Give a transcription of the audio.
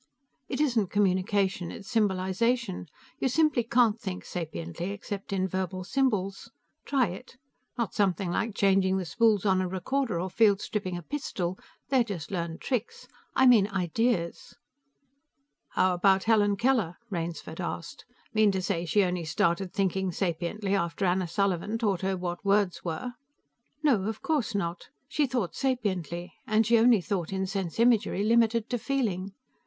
"It isn't communication, it's symbolization. You simply can't think sapiently except in verbal symbols. Try it. Not something like changing the spools on a recorder or field stripping a pistol; they're just learned tricks. I mean ideas." "How about Helen Keller?" Rainsford asked. "Mean to say she only started thinking sapiently after Anna Sullivan taught her what words were?" "No, of course not. She thought sapiently And she only thought in sense imagery limited to feeling."